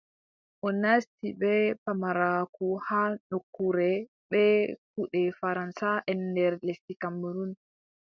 O nasti bee pamaraaku haa nokkure bee kuuɗe faraŋsaʼen nder lesdi Kamerun,